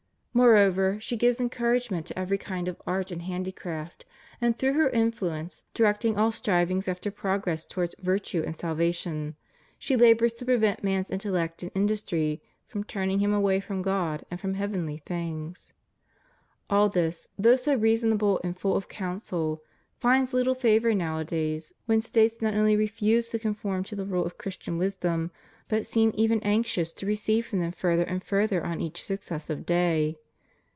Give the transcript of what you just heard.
Moreover she gives encouragement to every kind of art and handicraft, and through her influence, directing all strivings after progress towards virtue and salvation, she labors to prevent man's intellect and industry from turning him away from God and from heavenly things. All this, though so reasonable and full of counsel, finds little favor nowadays when States not only refuse to conform to the rules of Christian wisdom, but seem even anxious to recede from them further and further on each successive day.